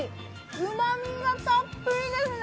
うまみがたっぷりですね。